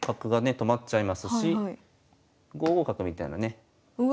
止まっちゃいますし５五角みたいなねうわ